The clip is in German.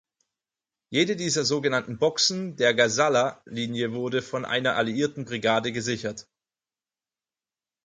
Jede dieser sogenannten Boxen der Gazala-Linie wurde von einer alliierten Brigade gesichert.